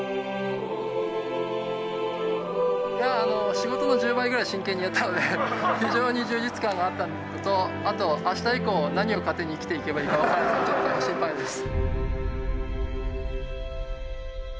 仕事の１０倍ぐらい真剣にやったので非常に充実感があったのとあと明日以降何を糧に生きていけばいいか分からない状態で心配です。